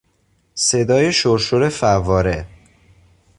صدای شرشر فواره